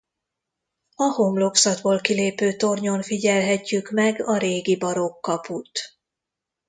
A homlokzatból kilépő tornyon figyelhetjük meg a régi barokk kaput.